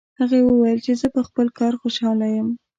هغې وویل چې زه په خپل کار خوشحاله یم